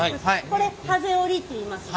これハゼ折りっていいます。